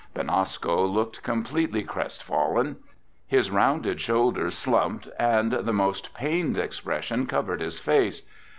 Benasco looked completely crestfallen. His rounded shoulders slumped and the most pained expression covered his face.